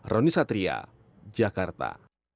ronny satria jakarta